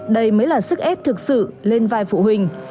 đây mới là sức ép thực sự lên vai phụ huynh